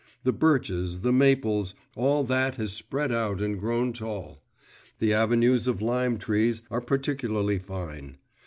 The birches, the maples all that has spread out and grown tall; the avenues of lime trees are particularly fine.